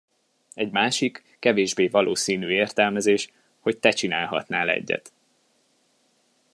Egy másik, kevésbé valószínű értelmezés, hogy te csinálhatnál egyet.